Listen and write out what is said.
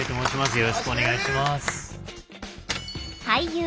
よろしくお願いします。